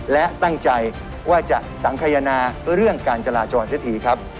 และตั้งใจว่าจะสังขยนาเรื่องการจราจรเสียทีครับ